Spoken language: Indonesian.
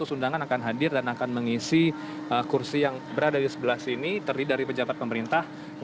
dua ratus undangan akan hadir dan akan mengisi kursi yang berada di sebelah sini terdiri dari pejabat pemerintah